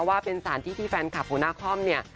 ว่าเป็นสารที่ที่แฟนคลับของนาคอมเนี่ย